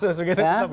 pansus begitu ya